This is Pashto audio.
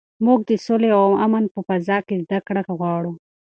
موږ د سولې او امن په فضا کې زده کړه غواړو.